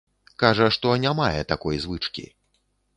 Кажа, што не мае такой звычкі.